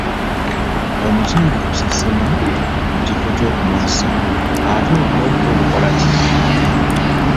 Omuceere gusesema mu kifo ky'okumulisa, ate obulo bwo bukola ki?